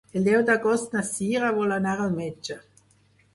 El deu d'agost na Sira vol anar al metge.